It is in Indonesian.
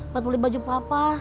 buat pulih baju papa